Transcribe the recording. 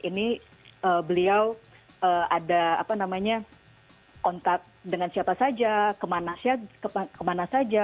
ini beliau ada apa namanya kontak dengan siapa saja kemana saja